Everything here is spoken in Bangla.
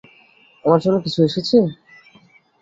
আমার জন্য কিছু এসেছে?